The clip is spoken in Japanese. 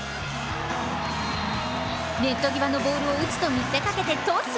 ネット際のボールを打つと見せかけてトス。